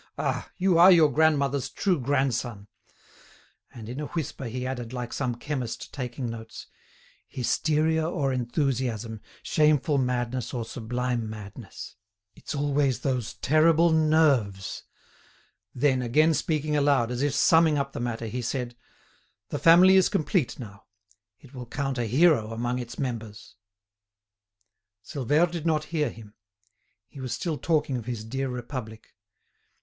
"Ah! you are your grandmother's true grandson." And, in a whisper, he added, like some chemist taking notes: "Hysteria or enthusiasm, shameful madness or sublime madness. It's always those terrible nerves!" Then, again speaking aloud, as if summing up the matter, he said: "The family is complete now. It will count a hero among its members." Silvère did not hear him. He was still talking of his dear Republic.